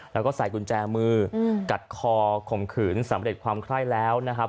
แล้วก็ใส่กุญแจมือกัดคอข่มขืนสำเร็จความไคร้แล้วนะครับ